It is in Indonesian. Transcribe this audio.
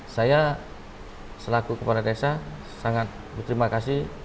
saya selaku kepala desa sangat berterima kasih